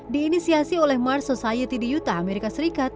diinisiasi oleh mars society di uta amerika serikat